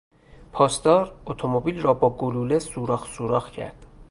پاسدار اتومبیل را با گلوله سوراخ سوراخ کرد.